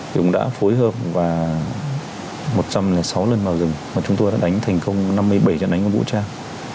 thì cũng đã phối hợp và một trăm linh sáu lần vào rừng mà chúng tôi đã đánh thành công năm mươi bảy trận đánh có vũ trang